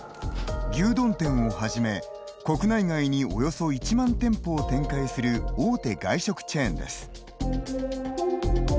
牛丼店をはじめ、国内外におよそ１万店舗を展開する大手外食チェーンです。